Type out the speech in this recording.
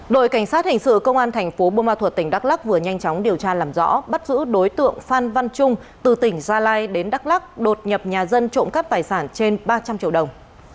đội cảnh sát hình sự công an thành phố bô ma thuật tỉnh đắk lắc vừa nhanh chóng điều tra làm rõ bắt giữ đối tượng phan văn trung từ tỉnh gia lai đến đắk lắc đột nhập nhà dân trộm cắp tài sản trên ba trăm linh triệu đồng